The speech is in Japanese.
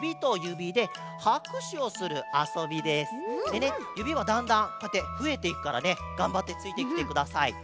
でねゆびはだんだんこうやってふえていくからねがんばってついてきてください。